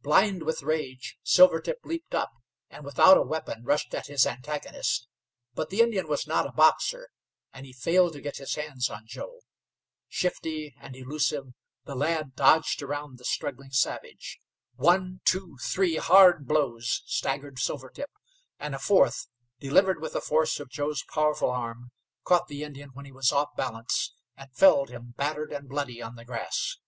Blind with rage, Silvertip leaped up, and without a weapon rushed at his antagonist; but the Indian was not a boxer, and he failed to get his hands on Joe. Shifty and elusive, the lad dodged around the struggling savage. One, two, three hard blows staggered Silvertip, and a fourth, delivered with the force of Joe's powerful arm, caught the Indian when he was off his balance, and felled him, battered and bloody, on the grass.